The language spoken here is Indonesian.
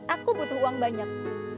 aku butuh uang banyak